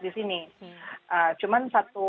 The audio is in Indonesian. di sini cuman satu